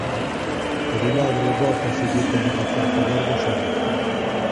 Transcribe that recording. O vinagre bótaselle como reforzador do sabor.